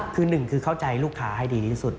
คือหนึ่งคือเข้าใจลูกค้าให้ดีที่สุด